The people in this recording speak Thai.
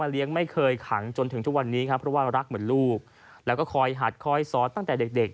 แล้วก็คอยหัดคอยซ้อนตั้งแต่เด็ก